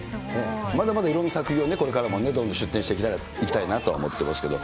まだまだいろんな作品をこれからもね、どんどん出展していきたいなとは思ってますけど。